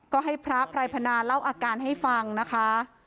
ก็ให้พระไพรพนาเล่าอาการให้ฟังนะคะ